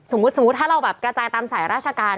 สมมุติถ้าเราแบบกระจายตามสายราชการ